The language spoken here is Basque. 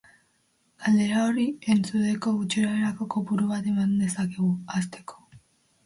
Galdera horri erantzuteko, gutxi gorabeherako kopuru bat eman dezakegu, hasteko.